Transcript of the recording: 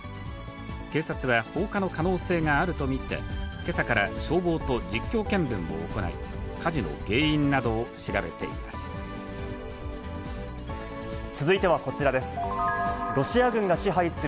警察は、放火の可能性があると見て、けさから消防と実況見分を行い、火事の原因などを調べています。